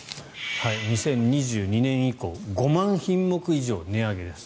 ２０２２年以降５万品目以上値上げです。